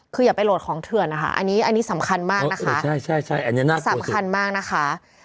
คืออย่าไปโหลดของเถื่อนนะคะอันนี้สำคัญมากนะคะ